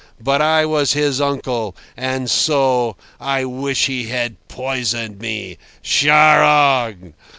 But I was his uncle, and so ... I wish he had poisoned me—charogne!